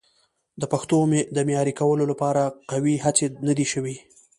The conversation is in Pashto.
د پښتو د معیاري کولو لپاره قوي هڅې نه دي شوي.